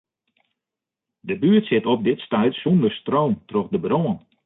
De buert sit op dit stuit sûnder stroom troch de brân.